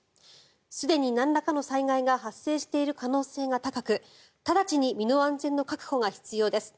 すでになんらかの災害が発生している可能性が高く直ちに身の安全の確保が必要です。